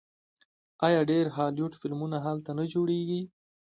آیا ډیر هالیوډ فلمونه هلته نه جوړیږي؟